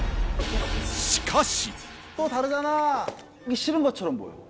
しかし。